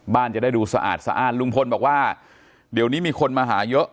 จะได้ดูสะอาดสะอ้านลุงพลบอกว่าเดี๋ยวนี้มีคนมาหาเยอะ